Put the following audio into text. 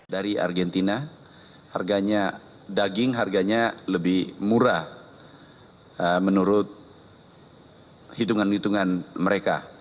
dari argentina harganya daging harganya lebih murah menurut hitungan hitungan mereka